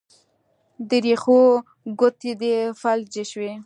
د رېښو ګوتې دې فلج شوي